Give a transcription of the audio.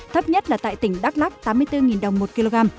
thấp nhất là tại tỉnh đắk lắc tám mươi bốn đồng một kg